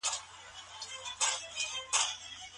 ټولنیزې ستونزې د پوهانو لخوا حل کېږي.